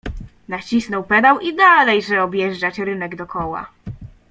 Nacisnął pedał i dalejże objeżdżać rynek dokoła.